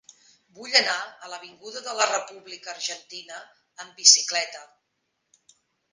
Vull anar a l'avinguda de la República Argentina amb bicicleta.